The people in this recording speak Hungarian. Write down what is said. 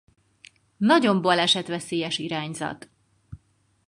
Nagyon balesetveszélyes irányzat.